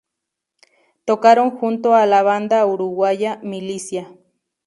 Tocaron junto a la banda uruguaya Milicia.